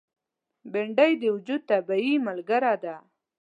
بېنډۍ د وجود طبیعي ملګره ده